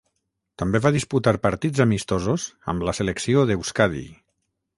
També va disputar partits amistosos amb la Selecció d'Euskadi.